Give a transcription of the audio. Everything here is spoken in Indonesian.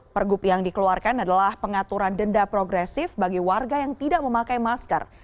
pergub yang dikeluarkan adalah pengaturan denda progresif bagi warga yang tidak memakai masker